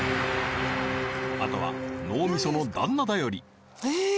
あとは脳みその旦那頼りええー？